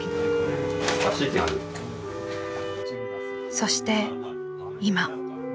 そして今。